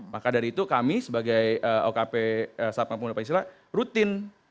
maka dari itu kami sebagai okp sapang pemuda pak giosila rutin